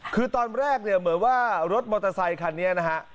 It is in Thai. คือตอนแรกเนี่ยเหมือนว่ารถมอเตอร์ไซคันนี้นะฮะ